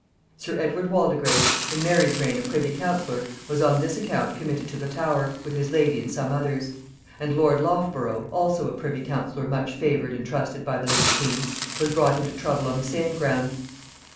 Sir Edward Waldegrave, in Mary's reign a privy councillor, was on this account committed to the Tower, with his lady and some others; and lord Loughborough, also a privy councillor much favored and trusted by the late queen, was brought into trouble on the same ground.